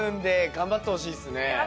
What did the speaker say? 頑張ってほしいです。